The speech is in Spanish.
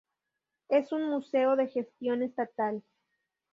Es un museo de gestión estatal.